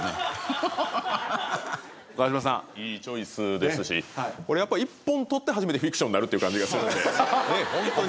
いいチョイスですしこれ一本取って初めてフィクションになるっていう感じがするんで。